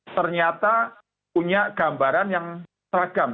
ternyata punya gambaran yang seragam